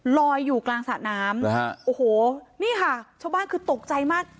ลอยอยู่กลางสระน้ำโอ้โหนี่ค่ะชาวบ้านคือตกใจมาก